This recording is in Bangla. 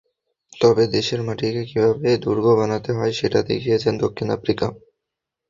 তবে দেশের মাটিকে কীভাবে দুর্গ বানাতে হয়, সেটা দেখিয়েছে দক্ষিণ আফ্রিকা।